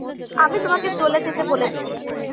আমি তোমাকে চলে যেতে বলেছি।